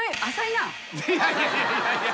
いやいやいやいや。